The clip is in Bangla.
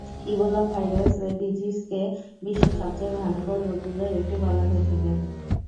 ইবোলা ভাইরাস ডিজিজকে বিশ্বের সবচেয়ে ভয়ংকর রোগগুলোর একটি বলা হয়ে থাকে।